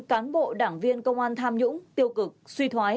cán bộ đảng viên công an tham nhũng tiêu cực suy thoái